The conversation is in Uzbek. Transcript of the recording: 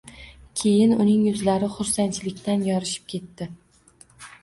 Keyin uning yuzi xursandchilikdan yorishib ketdi.